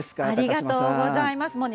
ありがとうございます。